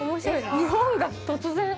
日本が突然。